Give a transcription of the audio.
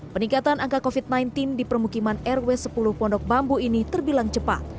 peningkatan angka covid sembilan belas di permukiman rw sepuluh pondok bambu ini terbilang cepat